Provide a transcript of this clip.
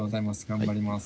頑張ります。